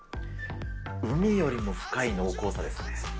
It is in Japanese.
海よりも深い濃厚さですね。